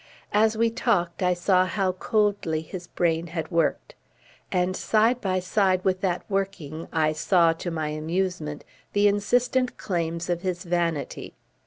As we talked I saw how coldly his brain had worked. And side by side with that working I saw, to my amusement, the insistent claims of his vanity.